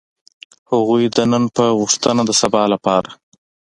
هغوی د نن په غوښتنه د سبا لپاره.